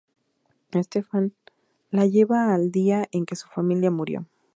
Stefan la lleva al día en que su familia murió.